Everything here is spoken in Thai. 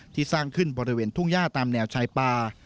สร้างขึ้นบริเวณทุ่งย่าตามแนวชายป่า